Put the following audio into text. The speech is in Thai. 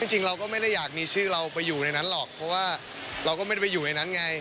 จริงเราก็ไม่ได้อยากมีชื่อเราไปอยู่ในนั้นหรอกเพราะว่าเราก็ไม่ได้ไปอยู่ในนั้นไง